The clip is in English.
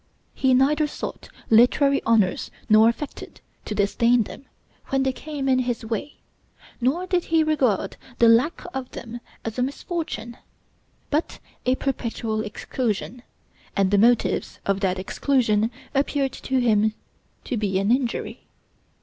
He neither sought literary honors nor affected to disdain them when they came in his way, nor did he regard the lack of them as a misfortune: but a perpetual exclusion, and the motives of that exclusion, appeared to him to be an injury.